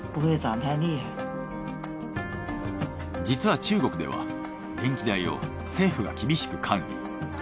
実は中国では電気代を政府が厳しく管理。